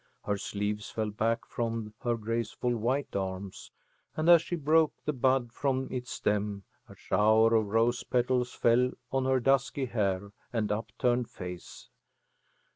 Her sleeves fell back from her graceful white arms, and as she broke the bud from its stem a shower of rose petals fell on her dusky hair and upturned face.